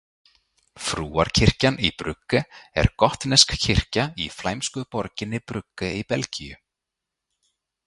Frúarkirkjan í Brugge er gotnesk kirkja í flæmsku borginni Brugge í Belgíu.